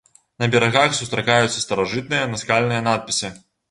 На берагах сустракаюцца старажытныя наскальныя надпісы.